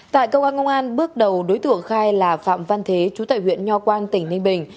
tại công an công an bước đầu đối tượng khai là phạm văn thế chủ tại huyện nho quang tỉnh ninh bình